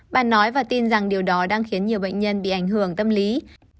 bà nói và tin rằng điều đó đang khiến nhiều bệnh nhân bị ảnh hưởng tâm lý